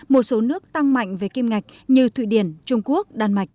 một số nước tăng mạnh về kim ngạch như thụy điển trung quốc đan mạch